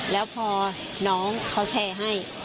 แล้วพอน้องเขาแชร์ให้